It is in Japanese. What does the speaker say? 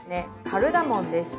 カルダモンです。